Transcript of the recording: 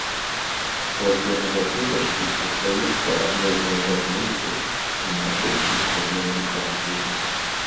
Праблема закрытасці застаецца адной з найважнейшых у нашай сістэме адукацыі.